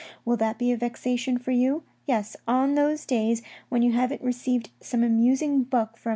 Will that be a vexation for you ? Yes, on those days when you haven't received some amusing book from M.